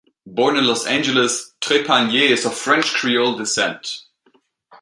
Born in Los Angeles, Trepagnier is of French Creole descent.